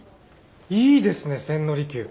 いいですね千利休。